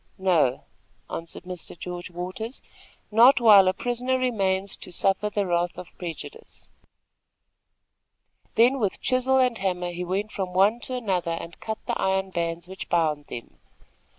"No," answered Mr. George Waters; "not while a prisoner remains to suffer the wrath of prejudice." Then with chisel and hammer he went from one to another and cut the iron bands which bound them.